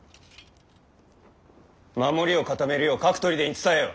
守りを固めるよう各砦に伝えよ。